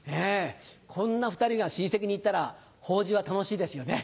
こんな２人が親戚にいたら法事は楽しいですよね。